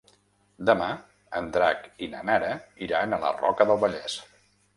Demà en Drac i na Nara iran a la Roca del Vallès.